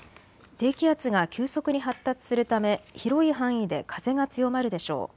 低気圧が急速に発達するため広い範囲で風が強まるでしょう。